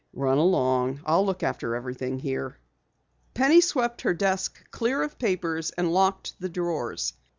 "Run along. I'll look after everything here." Penny swept her desk clear of papers and locked the drawers.